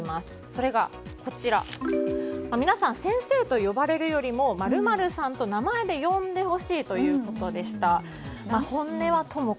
それが、皆さん先生と呼ばれるよりも○○さんと名前で呼んでほしいということでした。